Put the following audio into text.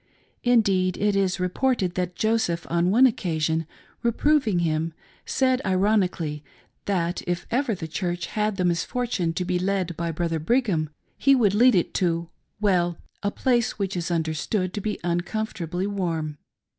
Indeed it is reported that Joseph on one occasion, re proving him, said ironically that if ever the Church had the misfortune to be led by Brother Brigham, he would lead it to ^well, a place which is understood to be uncomfortably warm.